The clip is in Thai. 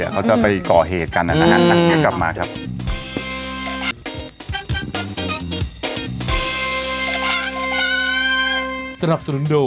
เขาจะไปก่อเหกันนั้นก็กลับมาครับ